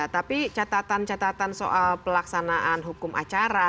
tapi catatan catatan soal pelaksanaan hukum acara